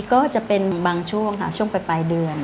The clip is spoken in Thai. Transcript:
ก็จะเป็นบางช่วงค่ะช่วงปลายเดือน